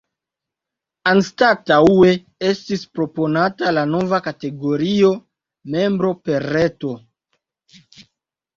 Anstataŭe estis proponata la nova kategorio “Membro per Reto”.